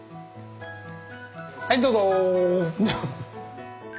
はいどうぞ！